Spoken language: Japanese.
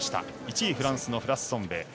１位、フランスのフラッスソムベ。